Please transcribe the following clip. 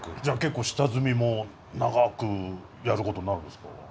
じゃあ結構下積みも長くやることになるんですか？